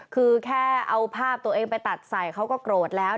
คือแค่เอาภาพตัวเองไปตัดใส่เขาก็โกรธแล้ว